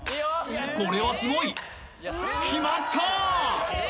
これはすごい決まった！